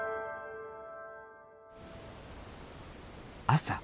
朝。